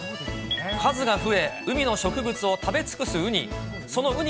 数が増え、海の植物を食べ尽くすウニ。